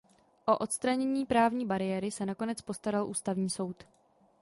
O odstranění právní bariéry se nakonec postaral Ústavní soud.